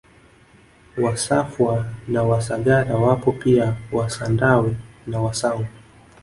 Wasafwa na Wasagara wapo pia Wasandawe na Wasangu